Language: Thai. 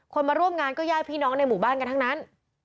มาร่วมงานก็ญาติพี่น้องในหมู่บ้านกันทั้งนั้น